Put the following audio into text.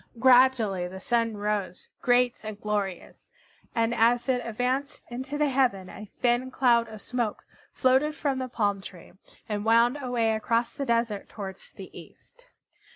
Gradually the Sun rose, great and glorious, and as it advanced into the heaven a thin cloud of smoke floated from the palm tree, and wound away across the desert towards the east.